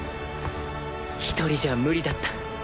１人じゃ無理だった。